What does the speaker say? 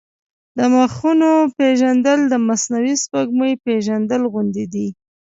د مخونو پېژندل د مصنوعي سپوږمۍ پېژندل غوندې دي.